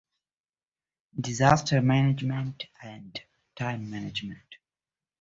Bulky aliphatic esters tend to give higher yields.